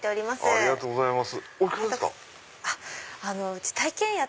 ありがとうございます。